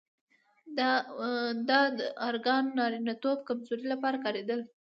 دا داروګان د نارینتوب کمزورۍ لپاره کارېدل.